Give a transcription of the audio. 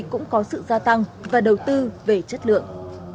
cũng có sự gia tăng và đầu tư về chất lượng